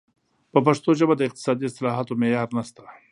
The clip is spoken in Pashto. په پښتو ژبه د اقتصادي اصطلاحاتو معیار نشته.